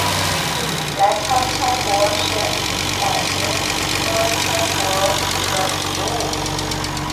澜沧羌活是伞形科羌活属的植物。